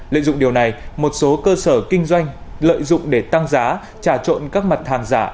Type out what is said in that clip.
lợi dụng điều này một số cơ sở kinh doanh lợi dụng để tăng giá trà trộn các mặt hàng giả